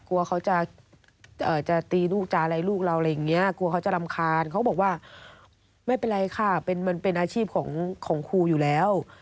กลัวเขาจะตีลูกจะอะไรลูกเราอะไรอย่างนี้กลัวเขาจะรำคาญเขาก็บอกว่าไม่เป็นไรค่ะมันเป็นอาชีพของครูอยู่แล้ว